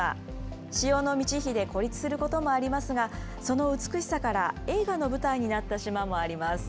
潮の満ち干で孤立することもありますが、その美しさから、映画の舞台になった島もあります。